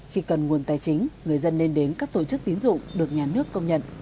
khi cần nguồn tài chính người dân nên đến các tổ chức tín dụng được nhà nước công nhận